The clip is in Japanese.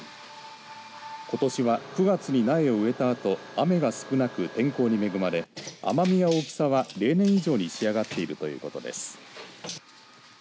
ことしは９月に苗を植えたあと雨が少なく天候に恵まれて甘みや大きさは例年以上に仕上がっているということです。